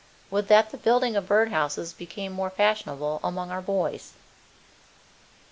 Would that the building of bird houses became more fashionable among our boys!